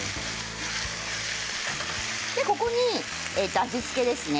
ここに味付けですね。